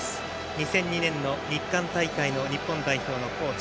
２００２年の日韓大会の日本代表のコーチ。